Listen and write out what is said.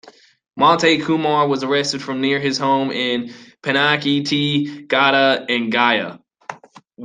Mantu Kumar was arrested from near his home in Panchayatee khada in Gaya.